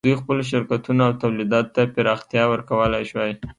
دوی خپلو شرکتونو او تولیداتو ته پراختیا ورکولای شوای.